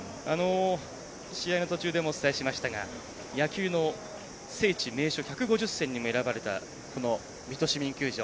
試合の途中でもお伝えしましたが野球の聖地・名所１５０選にも選ばれたこの水戸市民球場